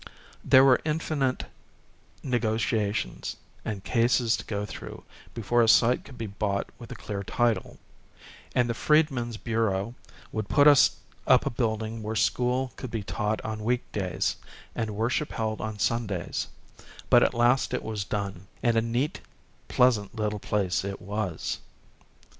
There were infinite negotiations and cases to go through before a site could be bought with a clear title ; and the Freedman's Bureau would put us up a building where school could be taught on week days, and worship held on Sundays : but at last it was done ; and a neat, pleasant little place it was.